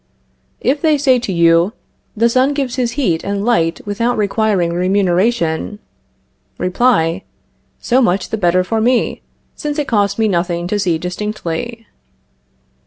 If they say to you: The sun gives his heat and light without requiring remuneration Reply: So much the better for me, since it costs me nothing to see distinctly.